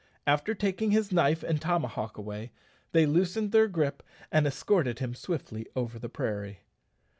After taking his knife and tomahawk away, they loosened their gripe and escorted him swiftly over the prairie.